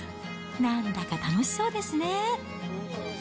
なんだか楽しそうですね。